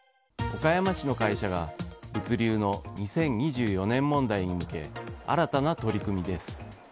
岡山市の会社が物流の２０２４年問題に向け新たな取り組みです。